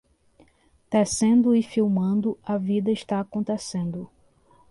Tecendo e filmando, a vida está acontecendo.